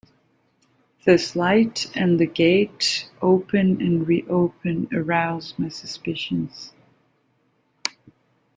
This light and the gate opened and reopened aroused my suspicions.